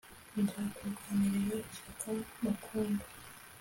Nzakurwanirira ishyaka mukundwa